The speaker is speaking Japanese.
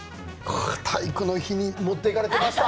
体育の日に持っていかれていました。